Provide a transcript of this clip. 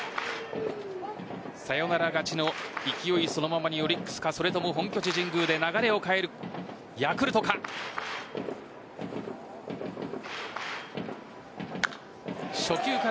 サヨナラ勝ちの勢いそのままにオリックスかそれとも本拠地・神宮で流れを変えるヤクルトか。